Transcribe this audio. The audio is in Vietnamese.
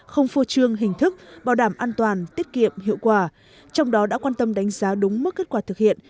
không phô trương hình thức bảo đảm an toàn tiết kiệm hiệu quả trong đó đã quan tâm đánh giá đúng mức kết quả thực hiện